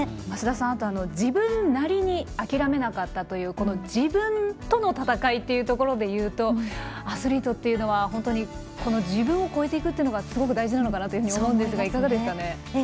増田さん、あと自分なりに諦めなかったという自分との闘いというところでいうとアスリートというのは自分を超えていくのがすごく大事なのかなと思うんですが、いかがですかね。